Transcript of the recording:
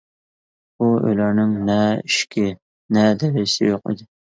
بۇ ئۆيلەرنىڭ نە ئىشىكى، نە دېرىزىسى يوق ئىدى.